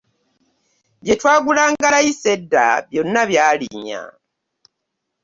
Bye twagulanga layisi edda byonna byalinnya.